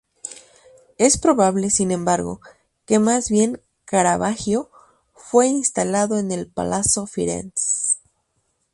Es probable, sin embargo, que más bien Caravaggio fuera instalado en el Palazzo Firenze.